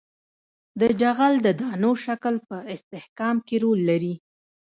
د جغل د دانو شکل په استحکام کې رول لري